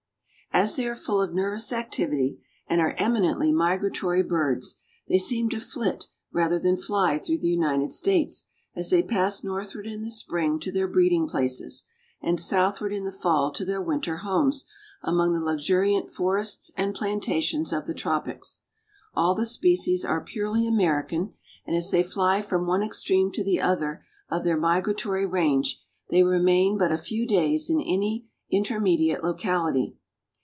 As they are full of nervous activity, and are "eminently migratory birds," they seem to flit rather than fly through the United States as they pass northward in the spring to their breeding places, and southward in the fall to their winter homes among the luxuriant forests and plantations of the tropics. All the species are purely American, and as they fly from one extreme to the other of their migratory range they remain but a few days in any intermediate locality.